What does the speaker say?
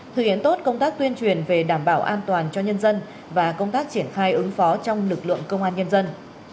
thực hiện tốt công tác tuyên truyền về đảm bảo an toàn cho nhân dân và công tác triển khai ứng phó trong lực lượng công an nhân dân